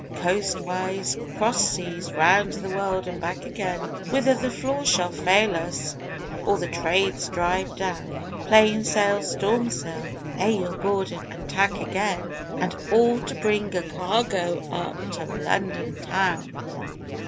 _Coastwise cross seas round the world and back again, Whither the flaw shall fail us or the Trades drive down: Plain sail storm sail lay your board and tack again And all to bring a cargo up to London Town!